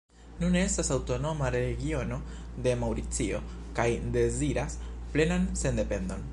Nune estas aŭtonoma regiono de Maŭricio, kaj deziras plenan sendependon.